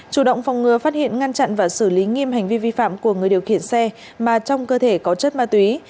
chủ động phòng ngừa phát hiện ngăn chặn và xử lý nghiêm hành vi vi phạm của người điều khiển xe mà trong cơ thể có chất ma túy